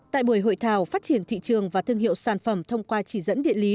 tại buổi hội thảo phát triển thị trường và thương hiệu sản phẩm thông qua chỉ dẫn địa lý